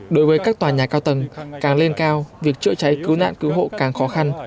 đối với các tòa nhà cao tầng càng lên cao việc chữa cháy cứu nạn cứu hộ càng khó khăn